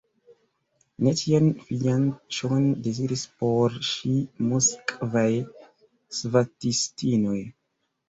Ne tian fianĉon deziris por ŝi moskvaj svatistinoj!